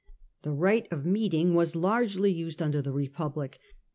The right of meeting was largely used under the Republic.